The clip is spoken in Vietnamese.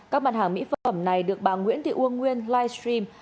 các mặt hàng mỹ phẩm này được bà nguyễn thị uông nguyên live stream